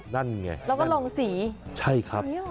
นั่นไงแล้วก็ลงสีใช่ครับ